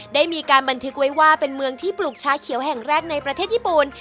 ได้มีการบันทึกไว้ว่าเป็นเมืองที่ปลูกชาเขียวแห่งแรกในประเทศญี่ปุ่น